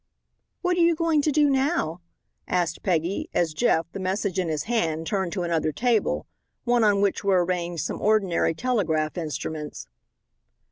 "What are you going to do now?" asked Peggy, as Jeff, the message in his hand, turned to another table, one on which were arranged some ordinary telegraph instruments.